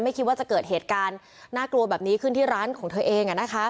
คิดว่าจะเกิดเหตุการณ์น่ากลัวแบบนี้ขึ้นที่ร้านของเธอเอง